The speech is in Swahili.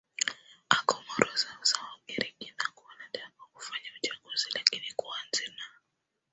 a comoro sawa sawa ugiriki nako wanataka kufanya uchaguzi lakini kuanze na